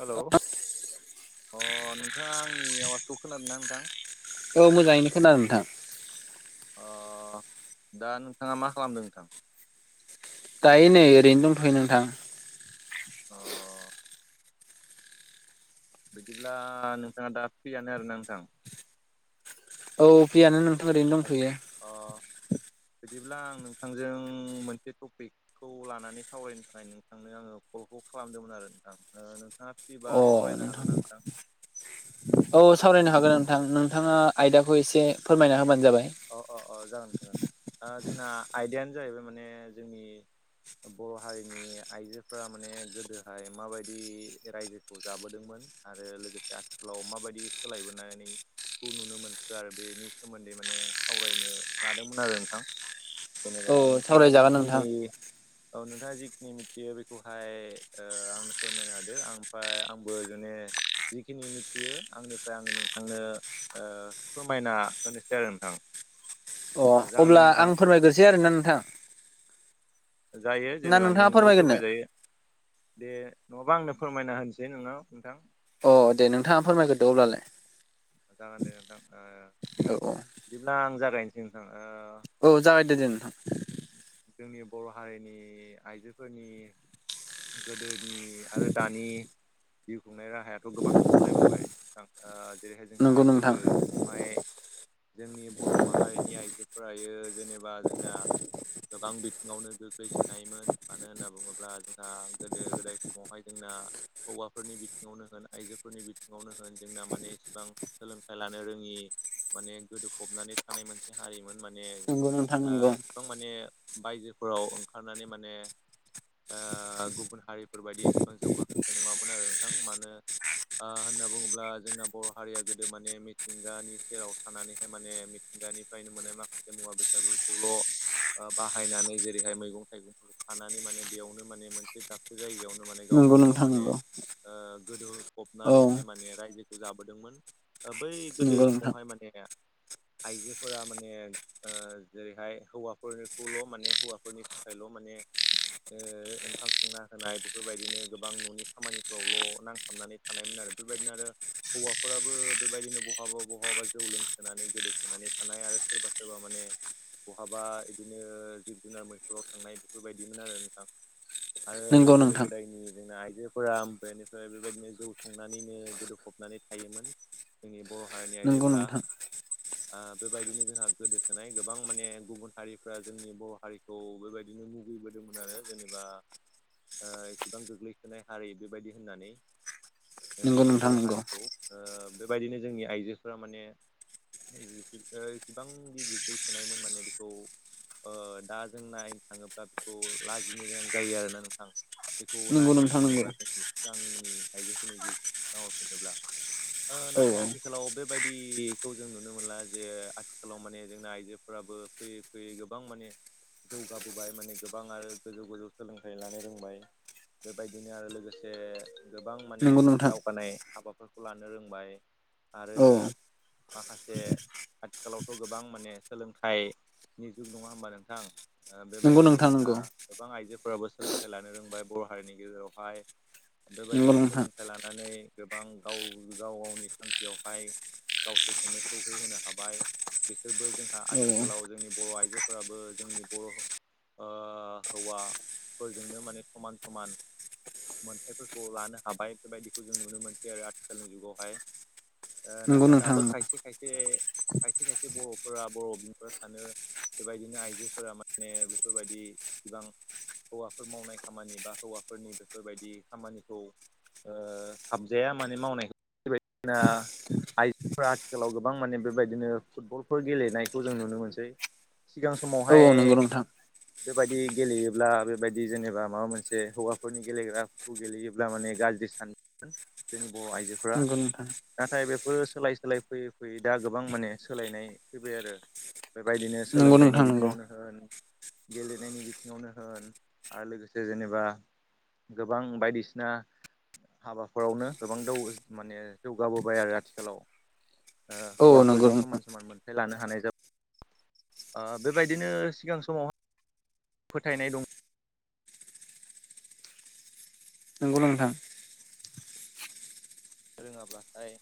Hello अ नोंथाङा आंनि आवाजखौ खोनादों ना नोंथां औ मोजाङैनो खोनादों नोंथां। अ दा नोंथाङा मा खालामदों नोंथां? दायो नै ओरैनो दंथ'यो नोंथां। अ बिदिब्ला नोंथाङा दा फ्रियानो आरोना नोंथां? औ फ्रियानो नोंथां ओरैनो दंथ'यो। अ बिदिब्ला आं नोंथांजों मोनसे टपिक खौ लानानै सावरायनो थाखाय नोंथांनो आङो कलखौ खालामदोंमोन आरो नोंथां ओ नोंथाङा फैबा सावरायनो हागोन ना नोंथां? औ सावरायनो हागोन नोंथां नोंथाङा आयदाखौ एसे फोरमायना होबानो जाबाय। अ अ अ जागोन जोंना आयदायानो जाहैबाय माने जोंनि बर' हारिनि आइजोफ्रा माने गोदोहाय माबायदि रायजोखौ जाबोदोंमोन आरो लोगोसे आथिखालाव माबायदि सोलायबोनानै खौ नुनो मोनखो आरो बेनि सोमोन्दै माने सावरायनो लादोंमोन आरो नोंथां जेनेबा औ नोंथाङा सावरायजागोन जिखिनि नोंथां औ नोंथाङा जिखिनि मिथियो बेखौहाय ओ आंनो फोरमायनो हादो ओमफ्राय आंबो जुुने जिखिनि मिथियो आंनिफ्राय आङो नोंथांनो ओ फोरमायना होनोसै आरो नोंथां। अ जागोन अब्ला ना नोंथां आं फोरमायग्रोसै आरोना नोंथां। जायो ना जेनेबा नोंथाङा नोंबो फोरमायग्रोनो फोरमायजायो दे नङाबा आंनो फोरमायना होनसै नोंनाव नोंथां अ दे नोंथाङा फोरमायग्रदो अब्लालाय। जागोन दे नोंथां आ औ बिदिब्ला आं जागायनोसै नोंथां आ औ जागायदो दे नोंथां। जोंनि बर' हारिनि आइजोफोरनि गोदोनि आरो दानि जिउ खुंनाय राहाया खौ गोबां सोलायबोबाय ओ जेरैहाय जोंहा नंगौ नोंथां गोदो समावहाय जोंनि बर' माहारिनि आइजोफोरायो जेनेबा जोंना गोबां बिथिङावनो गोग्लैसोनायोमोन मानो होनना बुङोब्ला जोंहा गोदो गोदाय समावहाय जोंना हौवाफोरनि बिथिङावनो होन आइजोफोरनि बिथिङावनो होन जोंना माने इसिबां सोलोंथाइ लानो रोङि माने गोदोफबनानै थानाय मोनसे हारिमोन माने नंगौ नोंथां ओ नंगौ गोबां माने बायजोफोराव ओंखारनानै माने आ गुबुन हारिफोर बायदि एसेबां जौगाखांनाय नङामोन आरो नोंथां मानो आ होनना बुङोब्ला जोंना बर' हारिया गोदो माने मिथिंगानि सेराव थानानैहाय माने दानिफ्रायनो मोननाय माखासे मुवा बेसादफोरखौल' आ बाहायनानै जेरैहाय मैगं थाइगं थानानै माने बेयावनो माने मोनसे दाबसे जायगायाव माने नंगौ गावजों गाव नोंथां माने नंगौ ओ गोदो औ फबनानैहाय माने रायजोखौ जाबोदोंमोन बै गोदो नंगौ नोंथां समावहाय माने आइजोफोरा माने ओ जेरैहाय हौवा फोरखौल' माने हौवाफोरनि थाखायल' माने ओ ओंखाम संना होनाय बेफोरबायदिनो गोबां न'नि खामानिफ्रावल' नांथाबनानै थानायमोन आरो बेबायदिनो आरो हौवाफोराबो बेबायदिनो बहाबा बहाबाबा जौ लोंसोनानै गोदोसोनानै थानाय आरो सोरबा सोरबा माने बहाबा बिदिनो जिब जुनार मैथुराव थांनाय बेफोरबायदिमोन आरो नोंथां आरो नंगौ गोदो नोंथां गोदायनि जोंना आइजोफोरा ओमफ्रायनिफ्राय बेबायदिनो जौ संनानैनो गोदौफबनानै थायोमोन जोंनि बर' हारिनि नंगौ आइजोफ्रा नोंथां बेबायदिनो जोंहा गोदोसोनाय गोबां माने गुबुन हारि जोंनि बर' हारिखौ बेबायदिनो मुगैबोदोंमोन आरो जेनेबा ओ एसेबां गोग्लैसोनाय हारि बेबायदि होननानै नंगौ जोंनि नोंथां बर' नंगौ हारिखौ बेबायदिनो जोंनि आइजोफोरा माने इसिबांखि गोग्लैसोनायमोन माने बेखौ दा जों नायनो थाङोब्ला बेखौ लाजिनो गोनां जायो आरोना नोंथां बेखौ नंगौ नोंथां नंगौ नायहरफिनोबा जोंनि सिगांनि आइजोफोरनि जिउ नायहरफिनोब्ला औ नाथाय औ आथिखालाव बेबायदिखौ जों नुनो मोनला जे आथिखालाव माने जोंना आइजोफोराबो फैयै फैयै गो गोबां माने जौगाबोबाय माने गोबां आरो गोजौ गोजौ सोलोंथाइ लानो रोंबाय। बेबायदिनो आरो लोगोसे गोबां माने नंगौ नोंथां दावगानाय हाबाफोर खौ लानो रोंबाय आरो औ माखासे आथिखालावथ' गोबां माने सोलोंथाइ जुग नङा होमबा नोंथां नंगौ बेबायदिनो नोंथां जोंहा नंगौ गोबां आइजोफोराबो सोलोंथाइ लानो रोंबाय बर' हारिनि गेजेरावहाय नंगौ बेबायदिनो नोंथां सोलों थि लानानै गोबां गाव गाव गावनि थांखियावहाय गावसोरखौनो सटौहैहोनो हाबाय बिसोरबो जोंहा औ आथिखालाव जोंनि बर' आइजोफोराबो जोंनि बर' ओ हौवाफोरजोंनो माने समान समान मोनथायफोरखौ लानो हाबाय बेबायदिखौ जों नुनो मोनसै आरो आथिखालनि जुगावहाय। ओ औ नंगौ नाथाय नोंथां दाबो नंगौ खायसे खायसे खायसे खायसे बर'फोरा बर' बिफा सानो बेबायदिनो आइजोफोरा माने बेफोरबायदि बिबां हौवाफोर मावनाय खामानि बा हौवाफोरनि बेफोरबायदि खामानिखौ ओ थाबजाया माने मावनायखौ बेबायदिसिना आइजोफोरा आथिखालाव गोबां माने बेबायदिनो फुटबलफोर गेलेनायखौ जों नुनो मोनसै सिगां औ समावहाय औ नंगौ नोंथां बेबायदि गेलेयोब्ला बेबायदि जेनेबा माबा मोनसे हौवाफोरनि गेलेग्राखौ गेलेयोब्ला माने गाज्रि सान जोंनि बर' आइजोफोरा नाथाय बेफोरो सोलाय सोलाय फैयै फैयै दा गोबां माने सोलायनाय फैबाय आरो। बेबायदिनो नंगौ नोंथां नंगौ सोलोंथाइनि नोंथां नंगौ बिथिङावनो होन गेलेनायनि बिथिङावनो होन आरो लोगोसे जेनेबा गोबां बायदिसिना हाबाफोरावनो गोबां दाव माने जौगाबोबाय आरो आथिखालाव ओ औ हौवाफोरजों नंगौ समान नोंथां समान मोनथाय लानो हानाय जा ओ बेबायदिनो सिगां समावाय फोथायनाय दं नोंगौ नोंथां रोङाब्लाथाय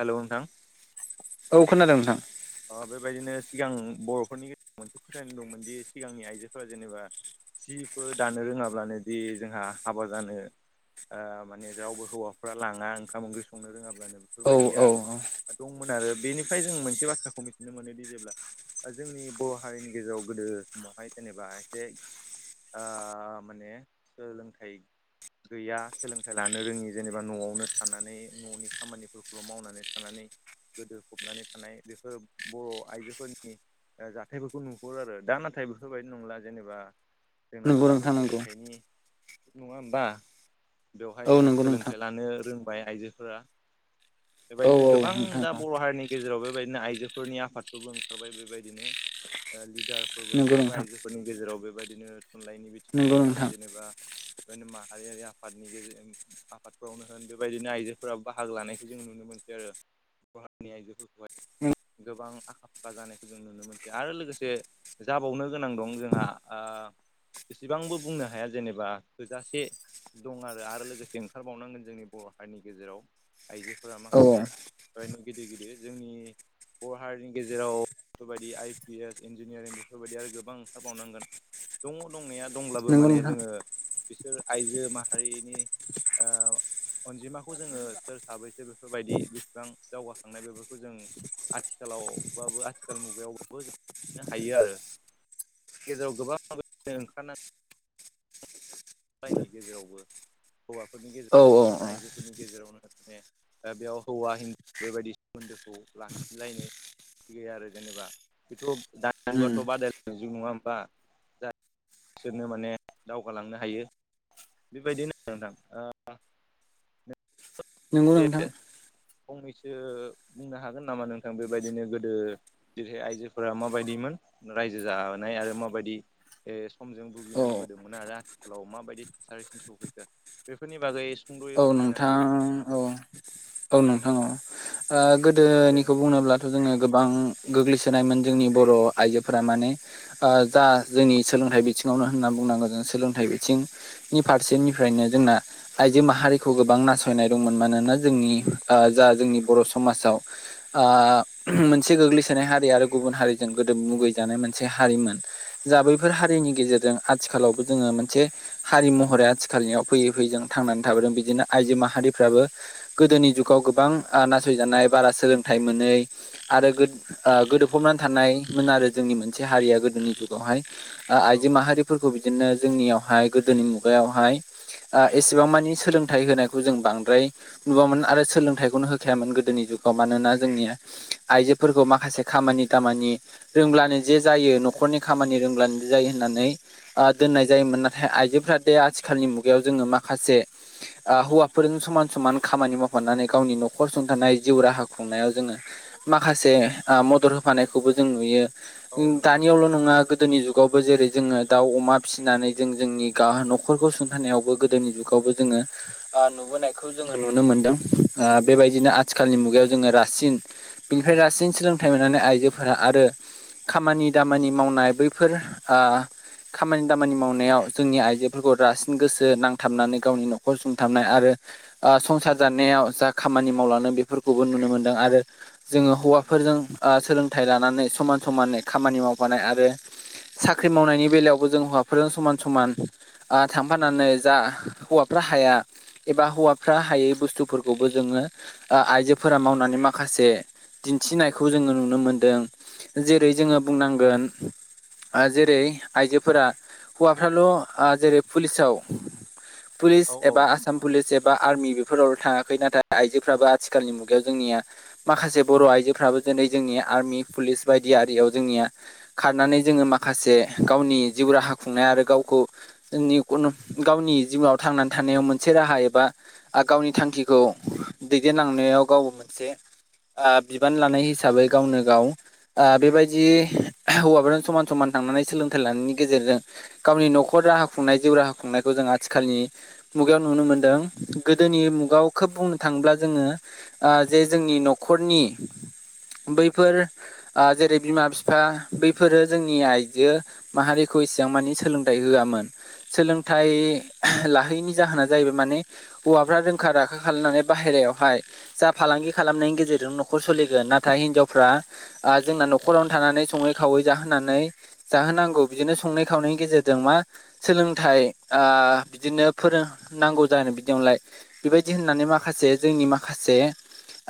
हेलौ नोंथां औ खोनादों नोंथां अ बेबायदिनो सिगां बर'फोरनि गेजेराव मोनसे फोथायनाय दंमोनदि सिगांनि आइजोफोरा जेनेबा जिफोर दानो रोङाब्लानो दि जोंहा हाबा जानो माने रावबो हौवाफ्रा लाङा ओंखाम ओंख्रि संनो रोङाब्लानो औ औ बेफोरबायदिया दंमोन आरो बेनिफ्राय जों मोनसे बाथ्रा खौ मिथिनो मोनोदि जेब्ला जोंनि बर' हारिनि गेजेराव गोदो समावहाय जेनेबा एसे ओ माने सोलोंथाइ गैया सोलोंथाइ लानो रोङि जेनेबा न'आवनो थानानै न'नि खामानिफोरखौल' मावनानै थानानै गोदो फबनानै थानाय बेफोर बर' आइजोफोरनि जाथायफोरखौ नुहरो आरो दा नाथाय बेफोरबायदि नंला जेनेबा जोंनाथ' नंगौ दाथ' नोंथां नंगौ सोलोंथाइनि नङा होमबा औ बेवहाय जोंहा नंगौ नोंथां सोलोंथाइ लानो रोंबाय आइजोफोरा औ बेबायदिनो औ गोबां नोंथां दा औ बर' हारिनि गेजेराव बेबायदिनो आइजो फोरनि आफादफोरबो ओंखारबाय बेबायदिनो लिडारफोरबो नंगौ ओंखारबाय नोंथां आइजोफोरनि गेजेराव बेबायदिनो थुनलाइनि नंगौ बिथिङावनो होन नोंथां जेनेबा [unintelligible] माहारियारि आफादनि गेजेरजों आफादफोरावनो होन बेबायदिनो आइजोफोराबो बाहागो लानायखौ जों नुनो मोनसै आरो हारिनि आइजोफोरखौहाय गोबां आखा - फाखा जानायखौ जों नुनो मोनस आरो लोगोसे जाबावनो गोनां दं जोंहा ओ बेसेबांबो बुंनो हाया जेनेबा थोजासे दं आरो आरो लोगोसे ओंखारबावनांगोन जोंनि बर' हारिनि गेजेराव आइजोफोरा औ माखासे बेनो गिदिर - गिदिर जोंनि बर' हारिनि गेजेराव बेफोरबायदि आइ पि एस इन्जिनियारिं बेफोरबायदि आरो गोबां ओंखारबावनांगोन दङ दंनाया दंब्लाबो नंगौ माने नोंथां जोङो बिसोर आइजो माहारिनि ओ अनजिमाखौ जोङो सोर साबैसे बेफोरबायदि बिसेबां जौवगाखांनाय बेफोरखौ जों‌ आथिखालावबाबो आथिखाल मुगायावबाबो जोंनो [unintelligible] हायो आरो गेजेराव गोबां [unintelligible] ओंखारनानैांगौ बायनि गेजेरावबो हौवाफोरनि औ औ गेजेरावनो होन औ आइजोफोरनि गेजेरावनो होन [unintelligible] बेयाव हौवा हिनजाव बेबायदि सोमोन्दोखौ लाखिलायनो थि गैया आरो जेनेबा बेथ' [unintelligible] दानि जुगाथ' बादायनाय जुग नङा होमबा। बिसोरनो माने दावगालांनो हायो बेबायदिनो आरो नोंथां। नंगौ बे नोंथां फंनैसो बुंनो हागोन नामा नोंथां बेबायदिनो गोदो जेरैहाय आइजोफोरा माबायदिमोन रायजो जानाय आरो माबायदि ओ समजों औ भुगिनांबोदोंमोन आरो आथिखालाव माबायदि थासारि [unintelligible] खा बेफोरनि बागै सुंद'यै औ फोरमायना होलाय नोंथां नोंथाङाबो औ औ नोंथा‌ औ ओ दे गोदोनिखौ बुंनोब्ला थ' जोङो गोबां गोग्लैसोनायमोन जोंनि बर' आइजोफोरा माने ओ जा जोंनि सोलोंथाइ बिथिङावनो होनना बुंनांगोन जों सोलोंथाइ बिथिं नि फारसेनिफ्रायनो जोंना आइजो माहारिखौ गोबां नासयनाय दंमोन मानोना जोंनि ओ जा जोंनि बर' समाजाव ओ मोनसे गोग्लैसोनाय हारि आरो गुबुन हारिजों गोदो मुगैजानाय मोनसे हारिमोन। जा बैफोर हारिनि गेजेरजों आथिखालावबो जोङो मोनसे हारि महरै आथिखालनियाव फैयै फैयैजों थांनानै थाबोदों बिदिनो आइजो माहारिफ्राबो गोदोनि जुगाव गोबां ओ नासयजानाय बारा सोलोंथाइ मोनै आरो गो ओ गोदोफबनानै थानायमोन आरो जोंनि मोनसे हारिया गोदोनि जुगावहाय ओ नोंथां। औ आइजो औ माहारिफोरखौ बिदिनो जोंनियावहाय गोदोनि मुगायावहाय ओ एसेबां मानि सोलोंथाइ होनायखौ जों बांद्राय नुवामोन आरो सोलोंथाइखौनो होखायामोन गो गोदोनि जुगाव मानोना जोंनि आइजोफोरखौ माखासे खामानि दामानि रोंब्लानो जे जायो न'खरनि खामानि रोंब्लानो जे जायो होननानै ओ दोननाय जायोमोन नाथाय आइजोफोरा दे आथिखालनि मुगायाव जोङो माखासे ओ हौवाफोरजों समान समान खामानि मावफानानै गावनि न'खर सुंथानाय जिउ राहा खुंनायाव जोङो माखासे ओ मदद होफानायखौबो जों नुयो। औ उम नंगौ नोंथां दानियावल' नङा गोदोनि जुगावबो जेरै जोङो दाउ, अमा फिसिनानै जों जोंनि गाह न'खरखौ सुंथानायावबो गोदोनि जुगावबो जोङो ओ नुबोनायखौ जोङो नुनो मोनदों ओ बेबायदिनो आथिखालनि मुगायाव जोङो रासिन बेनिफ्राय रासिन सोलोंथाइ मोननानै आइजोफोरा आरो खामानि दामानि मावनाय बैफोर आ खामानि दामानि मावनायाव जोंनि आइजोफोरखौ रासिन गोसो नांथाबनानै गावनि न'खर सुंथाबनाय आरो ओ संसार जानायाव जा खामानि मावलाङो बेफोरखौबो नुनो मोन्दों आरो जोङो हौवाफोरजों ओ सोलोंथाइ लानानै समान समानै खामानि मावफानाय आरो साख्रि मावनायनि बेलायावबो जों हौवाफोरजों समान - समान ओ थांफानानै जा हौवाफ्रा हाया एबा हौवाफ्रा हायै बुस्थुफोरखौबो जोङो ओ आइजोफोरा मावनानै माखासे दिन्थिनायखौ जोङो नुनो मोनदों। जेरै जोङो बुंनांगोन। ओ जेरै आइजोफोरा हौवाफ्राल' आ जेरै पुलिसाव पुलिस औ औ एबा आसाम नोंथां पुलिस एबा आर्मि बेफोराव थाङाखै नाथाय आइजोफ्राबो आथिखालनि मुगायाव जोंनिया माखासे बर' आइजोफ्राबो दिनै जोंनि आर्मि पुलिस बायदि आरियाव जोंनिया खारनानै जोङो माखासे गावनि जिउ राहा खुंनाय आरो गावखौ जोंनि उन गावनि जिउवाव थांनानै थानायाव मोनसे राहा एबा आ गावनि थांखिखौ दैदेनलांनायाव गाव मोनसे ओ बिबान लानाय हिसाबै गावनो गाव ओ बेबायदि हौवाफोरजों समान समान थांनानै सोलोंथाइ लानायनि गेजेरजों गावनि न'खर राहा खुंनाय जिउ राहा खुंनायखौ जों आथिखालनि मुगायाव नुनो मोनदों गोदोनि मुगायाव खोब बुंनो थाङोब्ला जोङो ओ जे जोंनि न'खरनि बैफोर आ जेरै बिमा बिफा बैफोरो जोंनि आइजो माहारिखौ इसेबां मानि सोलोंथाइ होआमोन। सोलोंथाइ लाहोयिनि जाहोना जाहैबाय माने हौवाफ्रा रोंखा राखा खालामनानै बाहेरायाव हाय जा फालांगि खालामनायनि गेजेरजों न'खर सोलिगोन नाथाय हिनजावफ्रा आ जोंना न'खरावनो थानानै सङै खावै जाहोनानै जाहोनांगौ बिदिनो संनाय खावनायनि गेजेरजों मा सोलोंथाइ आ बिदिनो फोरोंनांगौ जानाय बिदियावलाय बेबायदि होननानै माखासे जोंनि माखासे।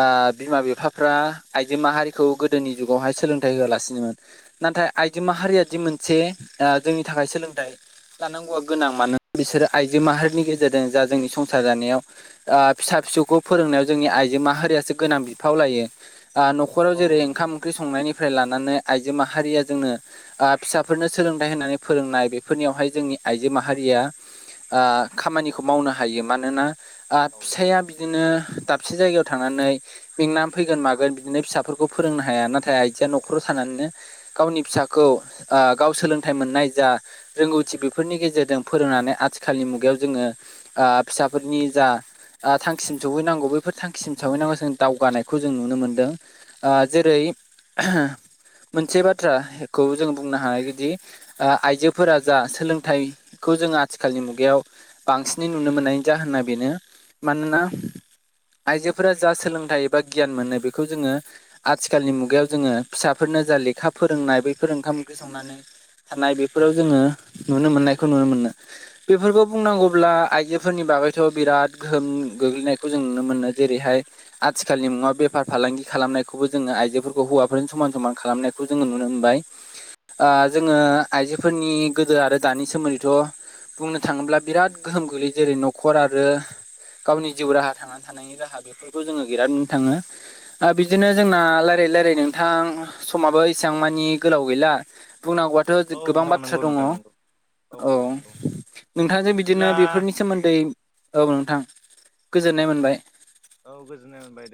आं बिमा बिफाफ्रा आइजो माहारिखौ गोदोनि जुगावहाय सोलोंथाइ होआलासिनो नाथाय आइजो माहारिया जि मोनसे आं जोंनि थाखाय सोलोंथाइ लानांगौआ गोनां मानोना बिसोरो आइजो माहारिनि गेजेरजों जा जोंनि संसार जानायाव आ फिसा फिसौ खौ फोरोंनायाव जोंनि आइजो माहारियासो गोनां बिफाव लायो आ नखराव औ जेरै नंगौ ओंखाम ओंख्रि सं संनायनिफ्राय लानानै आइजो माहारिया जोंनो आ फिसाफोरनो सोलोंथाइ होननानै फोरोंनाय बेफोरनियावहाय जोंनि आइजो माहारिया ओ खामानिखौ मावनो हायो मानोना आ औ फिसाया बि बिदिनो दाबसे जायगायाव थांनानै। मेंनानै फैगोन मागोन बिदिनो फिसाफोरखौ फोरोंनो हाया नाथाय आइजोया न'खराव थानानैनो गावनि फिसाखौ आ गाव सोलोंथाइ मोननाय जा रोंगौथि बेफोरनि गेजेरजों फोरोंनानै आथिखालनि मुगायाव जोङो आ फिसाफोरनि जा ओ थांखिसिम सौहैनांगौ बैफोर थांखिसिम सौहैनांगौ जों दावगानायखौ जों नुनो मोन्दों। आ जेरै मोनसे बाथ्राखौ जों बुंनो हायो दि आ आइजोफोरा जा सोलोंथाइखौ जों आथिखालनि मुगायाव बांसिनै नुनो मोननायनि जाहना बेनो मानोना आइजोफोरा जा सोलोंथाइ एबा गियान मोनो बेखौ जोङो आथिखालनि मुगायाव जोङो फिसाफोरनो जा लेखा फोरोंनाय बैफोर ओंखाम ओंख्रि संनानै थानाय बेफोराव जोङो नुनो मोननायखौ नुनो मोनो। बेफोरखौ बुंनांगौब्ला आइजोफोरनि बागैथ' बिराद गोहोम गोग्लैनायखौ जों नुनो मोनो जेरैहाय। आथिखालनि मुङा बेफार फालांगि खालामनायखौबो जोङो आइजोफोरखौ हौवाफोरजों समान समान खालामनायखौ खौ जोङो नुनो मोनबाय। आ जोङो आइजोफोरनि गोदो आरो दानि सोमोन्दैथ' बुंनो थाङोब्ला बिराद गोहोम गोग्लैयो जेरै न'खर आरो गावनि जिउ राहा थांना थानायनि राहा बेफोरखौ जोङो बिरादनो नुनो थाङो। आं बिदिनो जोंना रायलायै रायलायै नोंथां समाबो इसेबां मानि गोलाव गैला। बुंनांगौआथ' औ गोबां नोंथां बाथ्रा नंगौ दङ। नोंथां नंगौ औ नोंथांजों बिदिनो बिदिब्ला बेफोरनि सोमोन्दै औ नोंथां गोजोननाय मोनबाय। औ गोजोननाय मोनबाय दे।